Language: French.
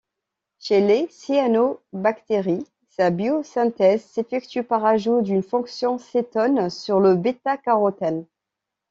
Chez les cyanobactéries, sa biosynthèse s'effectue par ajout d'une fonction cétone sur le bêta-carotène.